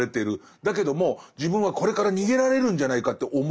だけども自分はこれから逃げられるんじゃないかって思いたい。